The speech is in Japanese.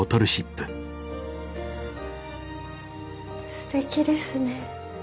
すてきですね。